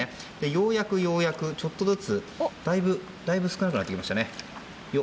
ようやくようやく、ちょっとずつだいぶ少なくなってきましたね。